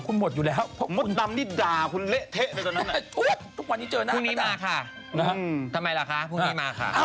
ทำไมล่ะคะพรุ่งนี้มาค่ะ